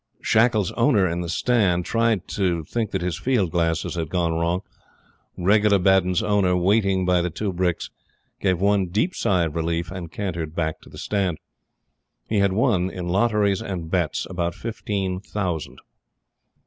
Shackles' owner, in the Stand, tried to think that his field glasses had gone wrong. Regula Baddun's owner, waiting by the two bricks, gave one deep sigh of relief, and cantered back to the stand. He had won, in lotteries and bets, about fifteen thousand.